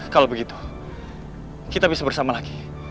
kalau begitu kita bisa bersama lagi